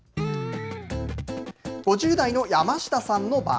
５０代の山下さんの場合。